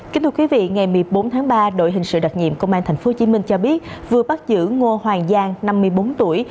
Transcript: kính thưa quý vị ngày một mươi bốn tháng ba đội hình sự đặc nhiệm công an tp hcm cho biết vừa bắt giữ ngô hoàng giang năm mươi bốn tuổi